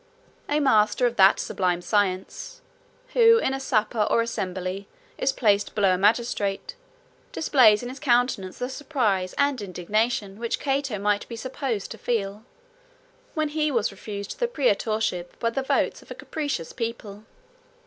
A master of that sublime science, who in a supper, or assembly, is placed below a magistrate, displays in his countenance the surprise and indignation which Cato might be supposed to feel, when he was refused the praetorship by the votes of a capricious people.